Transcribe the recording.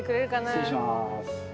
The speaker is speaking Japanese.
失礼します。